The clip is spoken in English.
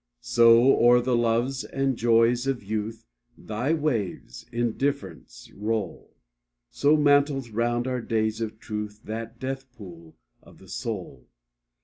So o'er the loves and joys of youth Thy waves, Indifference, roll; So mantles round our days of truth That death pool of the soul.